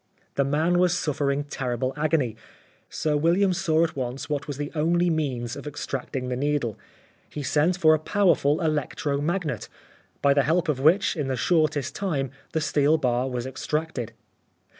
The man was suffering terrible agony. Sir William saw at once what was the only means of extracting the needle. He sent for a powerful electro magnet, by the help of which in the shortest time the steel bar was extracted.